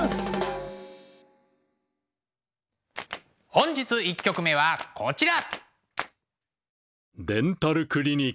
本日１曲目はこちら！